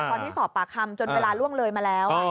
สอบปากคำจนเวลาล่วงเลยมาแล้ว